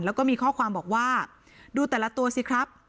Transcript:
แล้วก็มีข้อความบอกว่าดูแต่ละตัวสิครับ